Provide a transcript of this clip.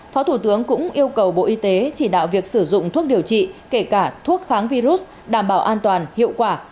phó thủ tướng cũng yêu cầu bộ y tế chỉ đạo việc sử dụng thuốc điều trị kể cả thuốc kháng virus đảm bảo an toàn hiệu quả